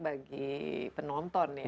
bagi penonton ya